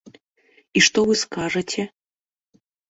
І што вы скажаце?